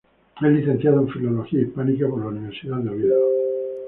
Es licenciado en Filología Hispánica por la Universidad de Oviedo.